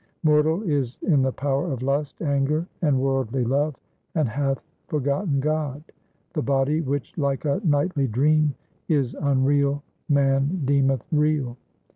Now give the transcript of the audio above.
Mortal is in the power of lust, anger, and worldly love, and hath forgotten God. The body which, like a nightly dream, is unreal man deemeth real.